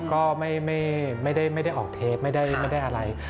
ก็ไม่ได้ออกเทปไม่ได้อะไร